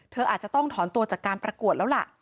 อาจจะต้องถอนตัวจากการประกวดแล้วล่ะ